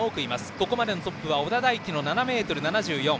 ここまでのトップは小田大樹の７ｍ７４。